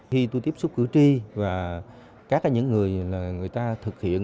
khi tôi tiếp xúc cử tri và các cái những người là người ta thực hiện